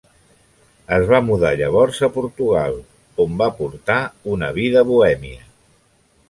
Es va mudar llavors a Portugal, on va portar una vida bohèmia.